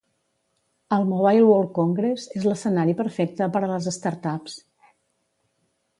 El Mobile World Congress és l'escenari perfecte per a les start-ups.